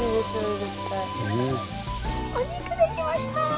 お肉できました